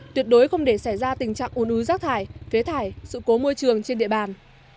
tuyệt đối không để xảy ra tình trạng ủn ứ rác thải phế thải sự cố môi trường trên địa bàn